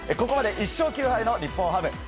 ここまで１勝９敗の日本ハム。